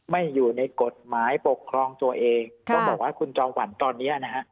ไม่อยู่ในกฎหมายปกครองตัวเองต้องบอกว่าคุณจอมขวัญตอนเนี้ยนะฮะ